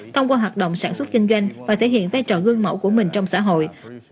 thông qua hoạt động sản xuất kinh doanh và thể hiện vai trò gương mẫu của mình trong xã hội